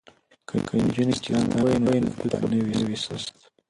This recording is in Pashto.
که نجونې چیستان ووايي نو فکر به نه وي سست.